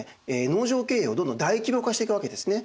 農場経営をどんどん大規模化していくわけですね。